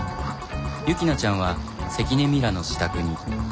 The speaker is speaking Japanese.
ユキナちゃんは関根ミラの自宅に。